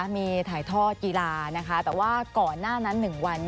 มีถ่ายทอดกีฬานะคะแต่ว่าก่อนหน้านั้น๑วัน